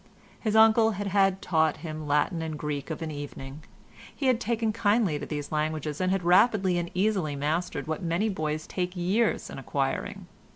His uncle had had him taught Latin and Greek of an evening; he had taken kindly to these languages and had rapidly and easily mastered what many boys take years in acquiring.